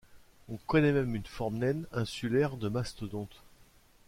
On connaît même une forme naine insulaire de mastodontes.